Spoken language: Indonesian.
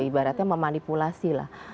ibaratnya memanipulasi lah